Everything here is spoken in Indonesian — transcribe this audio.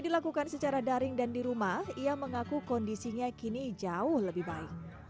dilakukan secara daring dan di rumah ia mengaku kondisinya kini jauh lebih baik